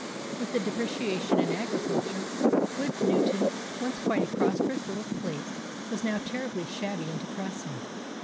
With the depreciation in agriculture, Woodnewton, once quite a prosperous little place, was now terribly shabby and depressing.